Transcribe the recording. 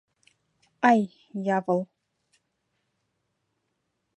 Ай, явыл!